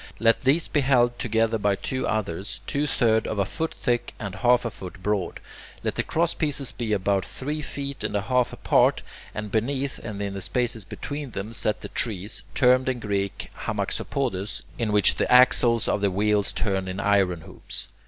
Let these be held together by two others, two thirds of a foot thick and half a foot broad; let the crosspieces be about three feet and a half apart, and beneath and in the spaces between them set the trees, termed in Greek [Greek: hamaxopodes], in which the axles of the wheels turn in iron hoops.